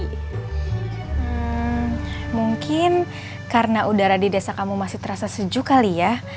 hmm mungkin karena udara di desa kamu masih terasa sejuk kali ya